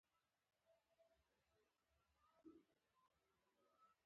هر سهار قرآن کریم لولو او په لارښوونو يې عمل کوو.